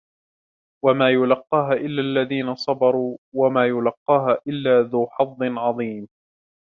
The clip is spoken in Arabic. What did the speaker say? وَمَا يُلَقَّاهَا إِلَّا الَّذِينَ صَبَرُوا وَمَا يُلَقَّاهَا إِلَّا ذُو حَظٍّ عَظِيمٍ